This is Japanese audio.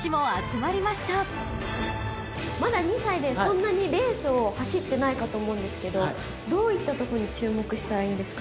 まだ２歳でそんなにレースを走ってないかと思うんですけどどういったとこに注目したらいいんですかね？